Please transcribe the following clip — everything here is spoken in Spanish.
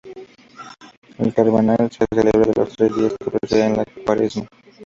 El Carnaval se celebra los tres días que preceden a la Cuaresma.